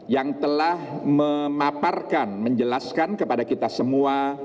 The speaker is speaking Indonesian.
yang telah memaparkan menjelaskan kepada kita semua